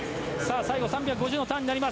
最後の３５０のターン。